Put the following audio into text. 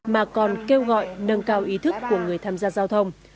mà còn kêu gọi nâng cao ý thức của người tham gia giao thông